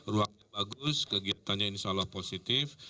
ruangnya bagus kegiatannya insya allah positif